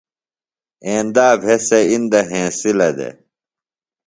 ایندا بھےۡ سےۡ اِندہ ہینسِلہ دےۡ